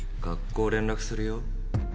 学校連絡するよ。